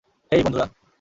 হেই, বন্ধুরা!